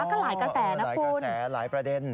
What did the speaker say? ก็หลายกระแสนะหลายกระแสหลายประเด็น